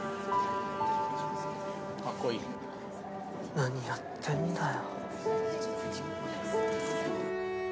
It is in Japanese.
何やってんだよ？